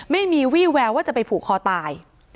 ไม่มีวี่แววว่าจะไปผูกคอตาย